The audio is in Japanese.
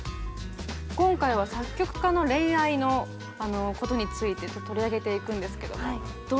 今回は作曲家の恋愛のことについて取り上げていくんですけどもどうですか？